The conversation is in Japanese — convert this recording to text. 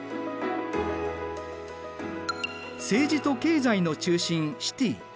政治と経済の中心シティ。